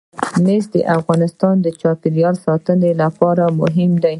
مس د افغانستان د چاپیریال ساتنې لپاره مهم دي.